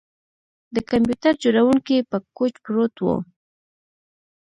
د کمپیوټر جوړونکی په کوچ پروت و